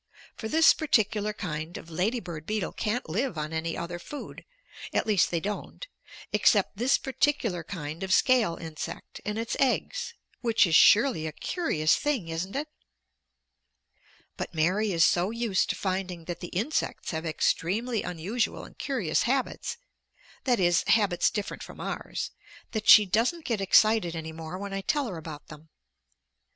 For this particular kind of lady bird beetle can't live on any other food at least they don't except this particular kind of scale insect and its eggs, which is surely a curious thing, isn't it?" But Mary is so used to finding that the insects have extremely unusual and curious habits that is, habits different from ours that she doesn't get excited any more when I tell her about them.